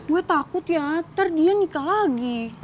gue takut ya ntar dia nikah lagi